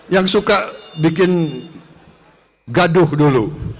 yang suka bikin gaduh dulu